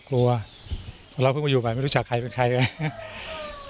กลัวเราเพิ่งมาอยู่มาไม่รู้ชาวใครเป็นใครมั้ย